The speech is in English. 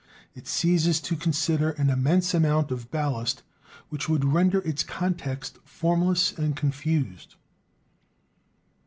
It ceases to consider an immense amount of ballast which would render its context formless and confused.